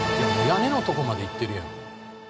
屋根のとこまでいってるやん。